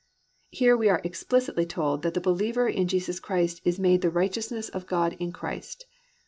"+ Here we are explicitly told that the believer in Jesus Christ is made the righteousness of God in Christ.